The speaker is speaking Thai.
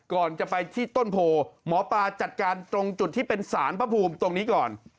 ก่อนจะไปที่ต้นโพหมอปลาจัดการตรงจุดที่เป็นสารพระภูมิตรงนี้ก่อน